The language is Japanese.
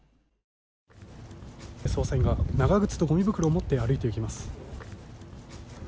捜査員が長靴とごみ袋を持って歩いていきます。